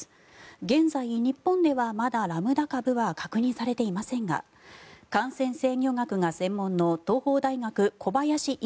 現在、日本では、まだラムダ株は確認されていませんが感染制御学が専門の東邦大学、小林寅